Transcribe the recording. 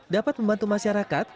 dapat membantu masyarakat